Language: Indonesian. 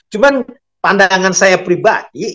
cuma pandangan saya pribadi